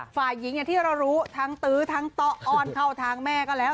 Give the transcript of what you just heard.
ฝ่ายหญิงอย่างที่เรารู้ทั้งตื้อทั้งโต๊ะอ้อนเข้าทางแม่ก็แล้ว